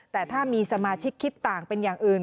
แต่ถ้ามีสมาชิกคิดต่างเป็นอย่างอื่น